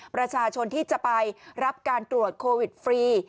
ประชาชนที่จะไปรับการตรวจโควิดฟรี